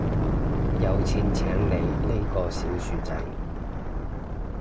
有錢請你呢個小薯仔